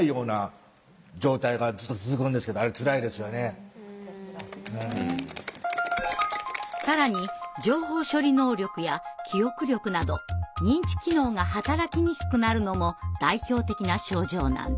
ほかにも更に情報処理能力や記憶力など認知機能が働きにくくなるのも代表的な症状なんです。